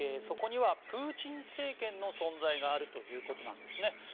そこにはプーチン政権の存在があるということなんですね。